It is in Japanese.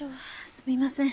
すみません。